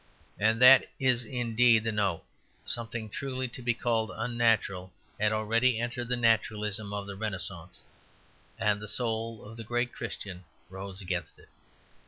And that is indeed the note; something truly to be called unnatural had already entered the naturalism of the Renascence; and the soul of the great Christian rose against it.